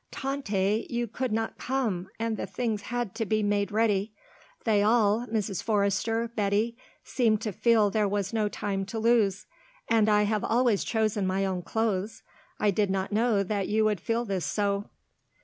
"Tante, you could not come, and the things had to be made ready. They all Mrs. Forrester Betty seemed to feel there was no time to lose. And I have always chosen my own clothes; I did not know that you would feel this so."